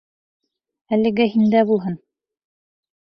Әлегә һиндә булһын.